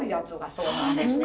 そうですね。